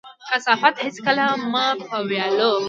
کثافات هيڅکله مه په ويالو،